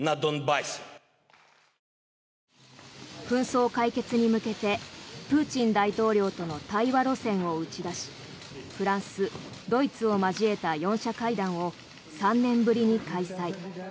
紛争解決に向けてプーチン大統領との対話路線を打ち出しフランス、ドイツを交えた４者会談を３年ぶりに開催。